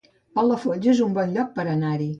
Palafolls es un bon lloc per anar-hi